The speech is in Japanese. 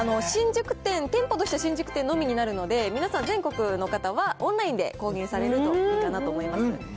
新宿店、店舗としては新宿店のみになるので、皆さん全国の方は、オンラインで購入されるといいかなと思います。